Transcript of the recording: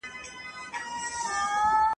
زموږ په برخه چي راغلې دښمني او عداوت وي !.